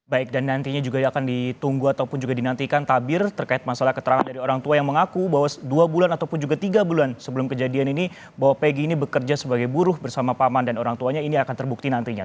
baik dan nantinya juga akan ditunggu ataupun juga dinantikan tabir terkait masalah keterangan dari orang tua yang mengaku bahwa dua bulan ataupun juga tiga bulan sebelum kejadian ini bahwa pegi ini bekerja sebagai buruh bersama paman dan orang tuanya ini akan terbukti nantinya